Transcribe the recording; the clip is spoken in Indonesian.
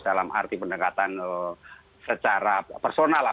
dalam arti pendekatan secara personal lah